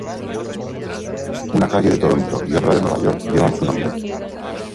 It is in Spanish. Una calle de Toronto y otra de Nueva York llevan su nombre.